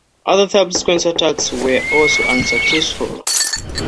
Other subsequent attacks were also unsuccessful.